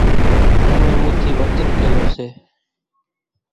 تمين مون ٿي وچن ڪريون سي